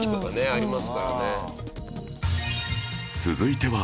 続いては